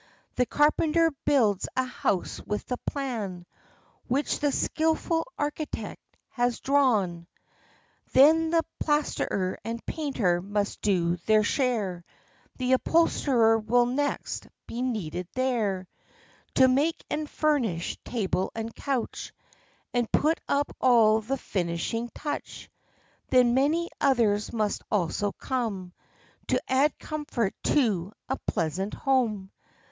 The carpenter builds a house with the plan Which the skilful architect has drawn ; Then the plasterer and painter must do their share The upholsterer will next be needed there, To make and furnish table and couch, And put upon all the finishing touch; Then many others must also come, To add comfort to a pleasant home.